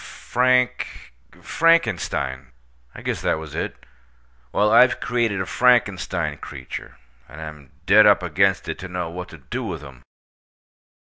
Frank—Frankenstein?—I guess that was it. Well, I've created a Frankenstein creature—and I'm dead up against it to know what to do with him.